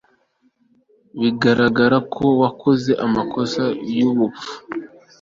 Bigaragara ko wakoze amakosa yubupfu